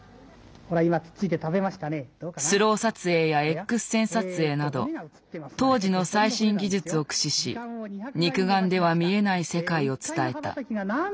スロー撮影やＸ線撮影など当時の最新技術を駆使し肉眼では見えない世界を伝えた。